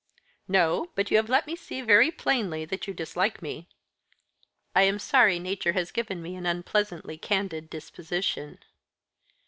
"No; but you have let me see very plainly that you dislike me." "I am sorry nature has given me an unpleasantly candid disposition."